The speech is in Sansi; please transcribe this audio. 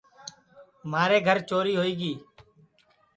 مھارے گھر چوری ہوئی گی